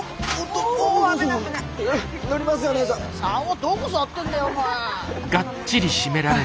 どこ触ってんだよお前。